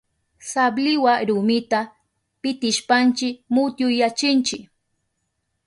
Sabliwa rumita pitishpanchi mutyuyachinchi.